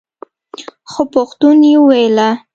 خو پښتو يې ويله.